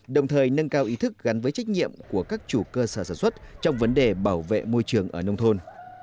đồng thời nâng cao ý thức gắn với trách nhiệm của các chủ cơ sở sản xuất trong vấn đề bảo vệ môi trường ở nông thôn